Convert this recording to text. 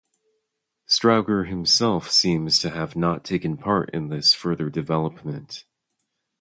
Strowger himself seems to have not taken part in this further development.